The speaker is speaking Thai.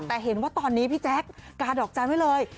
แต่เห็นว่าตอนนี้พี่แจ๊คกาดอกจันทร์ไว้เลย